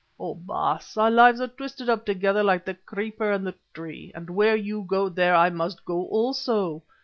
Oh! Baas, our lives are twisted up together like the creeper and the tree, and where you go, there I must go also.